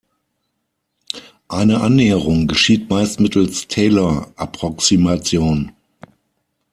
Eine Annäherung geschieht meist mittels Taylor-Approximation.